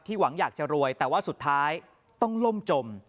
หวังอยากจะรวยแต่ว่าสุดท้ายต้องล่มจม